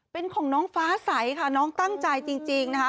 เป็นของน้องฟ้าใสค่ะน้องตั้งใจจริงนะคะ